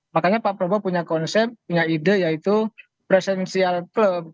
makanya pak prabowo punya konsep punya ide yaitu presidensial club